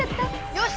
よし！